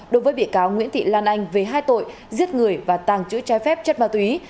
đối với bị cáo nguyễn thị lan anh về hai tội giết người và tàng trữ trái phép chất ma túy